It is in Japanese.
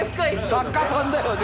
作家さんだよね